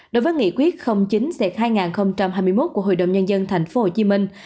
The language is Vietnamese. đối với nghị quyết chín hai nghìn hai mươi một của hội đồng nhân dân thành phố hồ chí minh